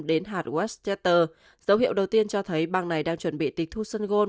đến hatt westchester dấu hiệu đầu tiên cho thấy bang này đang chuẩn bị tịch thu sân gôn